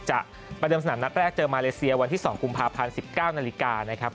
ประเดิมสนามนัดแรกเจอมาเลเซียวันที่๒กุมภาพันธ์๑๙นาฬิกานะครับ